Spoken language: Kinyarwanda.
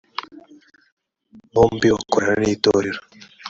bombi bakorana n itorero